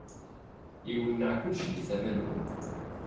Iwenneɛ kullec di tama-nwen.